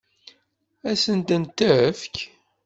Ad sent-tent-tefk?